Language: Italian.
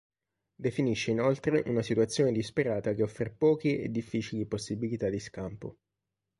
Definisce inoltre una situazione disperata che offre poche e difficili possibilità di scampo.